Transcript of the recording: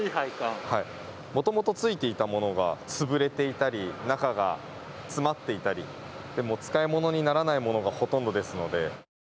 もともとついていたものが潰れていたり中が詰まっていたり使い物にならないものがほとんどですので。